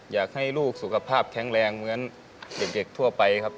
อยากให้ลูกสุขภาพแข็งแรงเหมือนเด็กทั่วไปครับ